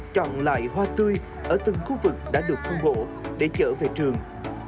chọn lại hoa tươi ở từng khu vực đã được phân bổ để trở về trường